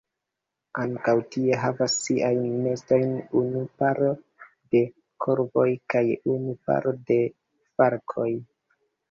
Ankaŭ tie havas siajn nestojn unu paro de korvoj kaj unu paro de falkoj.